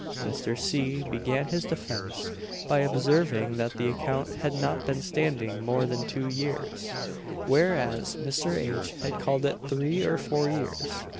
Mr. C. began his defence by observing that the account had not been standing more than two years; whereas Mr. H. had called it three or four years.